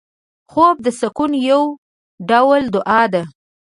خوب د سکون یو ډول دعا ده